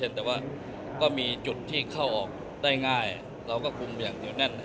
แต่ว่าก็มีจุดที่เข้าออกได้ง่ายแล้วก็คุมอยู่แน่น